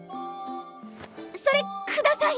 それください！